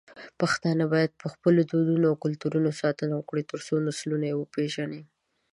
پښتانه بايد په خپلو دودونو او کلتور ساتنه وکړي، ترڅو نسلونه يې وپېژني.